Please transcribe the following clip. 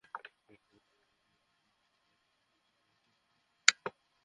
ভগ্নিপতির মৃত্যুর জন্য দায়ী ব্যক্তিদের বিরুদ্ধে থানায় মামলা করার কথা বলেছেন নিজাম।